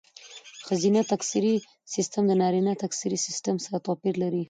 ښځینه تکثري سیستم د نارینه تکثري سیستم سره توپیر لري.